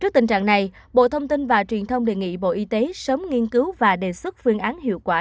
trước tình trạng này bộ thông tin và truyền thông đề nghị bộ y tế sớm nghiên cứu và đề xuất phương án hiệu quả